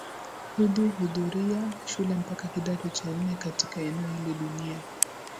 hudhu hudhuria shule mpaka kidato cha nne katika eneo hili la dunia